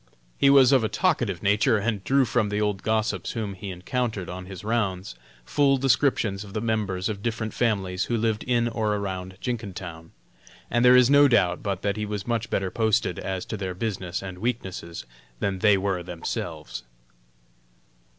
He was of a talkative nature, and drew from the old gossips whom he encountered on his rounds, full descriptions of the members of different families who lived in or around Jenkintown; and there is no doubt but that he was much better posted as to their business and weaknesses than they were themselves.